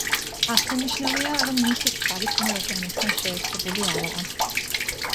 აღსანიშნავია, რომ მისი წყალი წყნარ ოკეანესთან შეერთებული არაა.